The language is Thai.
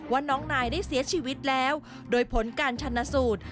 ว่าน้องนายได้เสียชีวิตแล้วโดยผลการชนะสูตร